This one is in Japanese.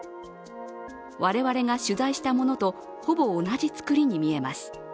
我々が取材したものと、ほぼ同じ作りに見えます。